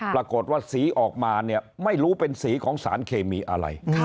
ปรากฏว่าสีออกมาเนี่ยไม่รู้เป็นสีของสารเคมีอะไร